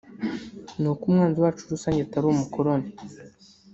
ni uko umwanzi wacu rusange atari Umukoloni